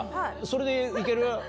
それで行ける？